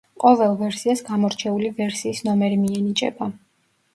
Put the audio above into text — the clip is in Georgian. ყოველ ვერსიას გამორჩეული ვერსიის ნომერი მიენიჭება.